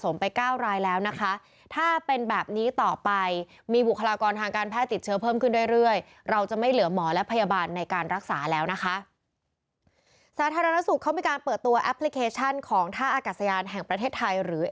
สาธารณสุขเขามีการเปิดตัวแอปพลิเคชันของท่าอากาศยานแห่งประเทศไทยหรือ